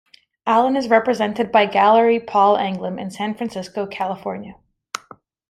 Allen is represented by Gallery Paule Anglim in San Francisco, California.